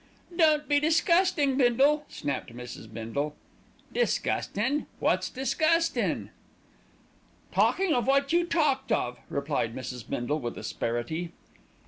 "Don't be disgusing, Bindle," snapped Mrs. Bindle. "Disgustin'! what's disgustin'?" "Talking of what you talked of," replied Mrs. Bindle with asperity.